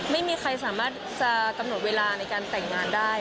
ไม่มีใครสามารถจะกำหนดเวลาในการแต่งงานได้